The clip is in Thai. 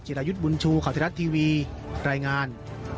เจรยุทธ์บุญชูข่าวธิรัตน์ทีวีรายงาน